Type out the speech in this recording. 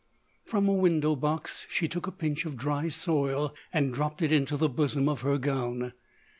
From a window box she took a pinch of dry soil and dropped it into the bosom of her gown.